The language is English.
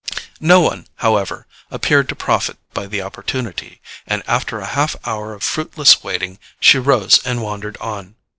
No one, however, appeared to profit by the opportunity; and after a half hour of fruitless waiting she rose and wandered on.